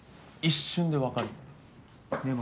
一瞬で分かるの。